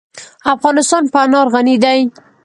افغانستان په انار غني دی.